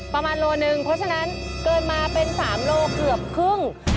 ประมาณโลหนึ่งเพราะฉะนั้นเกินมาเป็น๓โลเกือบครึ่ง